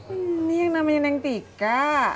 ini yang namanya neng tika